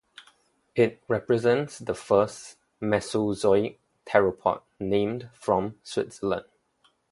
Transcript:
It represents the first Mesozoic theropod named from Switzerland.